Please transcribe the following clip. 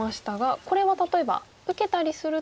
これは例えば受けたりすると。